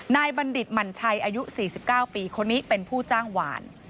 บัณฑิตหมั่นชัยอายุ๔๙ปีคนนี้เป็นผู้จ้างหวาน